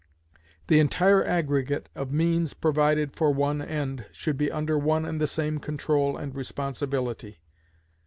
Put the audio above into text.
The entire aggregate of means provided for one end should be under one and the same control and responsibility.